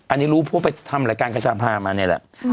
อันนี้รู้พวกไปทำรายการกระชาพามานี่แหละ